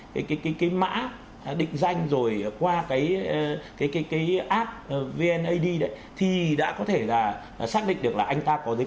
cái cái má định danh rồi qua cái cái cây ác vnid thì đã có thể và xác định được là anh ta có giấy